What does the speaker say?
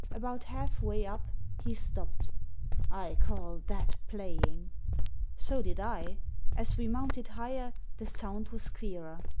About half way up he stopped. "I call that playing!" So did I. As we mounted higher the sound was clearer.